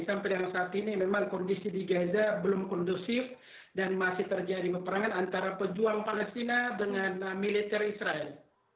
sampai dengan saat ini memang kondisi di gaza belum kondusif dan masih terjadi peperangan antara pejuang palestina dengan militer israel